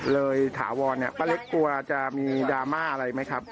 ถาวรเนี่ยป้าเล็กกลัวจะมีดราม่าอะไรไหมครับ